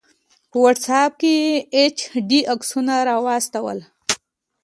په واټس آپ کې یې ایچ ډي عکسونه راواستول